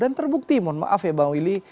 dan terbukti mohon maaf ya bang willy